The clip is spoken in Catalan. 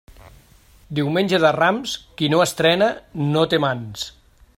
Diumenge de Rams, qui no estrena no té mans.